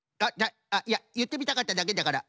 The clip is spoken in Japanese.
あっいやいってみたかっただけだから。